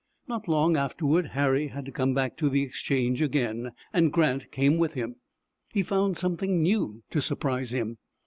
Not long afterward Harry had to come back to the Exchange again, and Grant came with him. He found something new to surprise him.